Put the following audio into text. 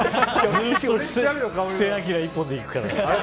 布施明１本でいくから。